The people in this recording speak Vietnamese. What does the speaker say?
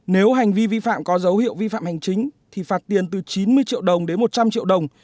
nếu hành vi vi phạm có dấu hiệu vi phạm hành chính thì phạt tiền từ chín mươi triệu đồng đến một trăm linh triệu đồng